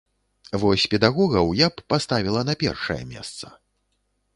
Вось педагогаў я б паставіла на першае месца.